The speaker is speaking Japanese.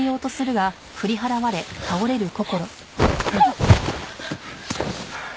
あっ！